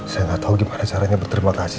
saya gak tau gimana caranya berterima kasih